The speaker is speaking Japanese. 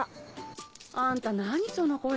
あんた何その声。